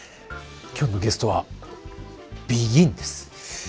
今日のゲストはＢＥＧＩＮです。